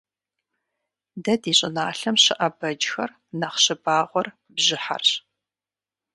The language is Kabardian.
Дэ ди щIыналъэм щыIэ бэджхэр нэхъ щыбагъуэр бжьыхьэрщ.